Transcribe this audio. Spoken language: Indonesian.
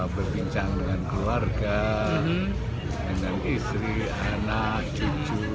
berbincang dengan keluarga dengan istri anak cucu